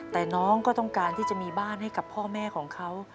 แต่น้องก็ต้องการที่จะมีบ้านให้กับพ่อแม่ของเขา